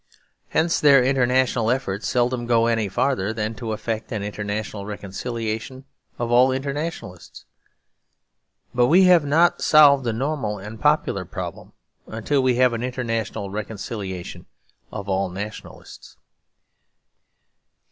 Hence their international efforts seldom go any farther than to effect an international reconciliation of all internationalists. But we have not solved the normal and popular problem until we have an international reconciliation of all nationalists.